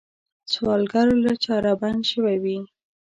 سوالګر له چاره بنده شوی وي